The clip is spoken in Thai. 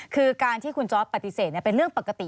คือการที่คุณจอร์ดปฏิเสธเป็นเรื่องปกติ